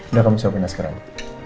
udah kamu siapinnya sekarang